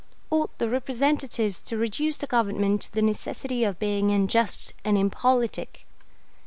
Ought the representatives to reduce the Government to the necessity of being unjust and impolitic?